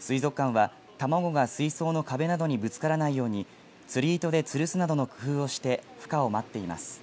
水族館は卵が水槽の壁などにぶつからないよう釣り糸で吊るすなどの工夫をしてふ化を待っています。